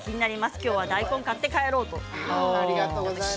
今日は大根買って帰ろうということです。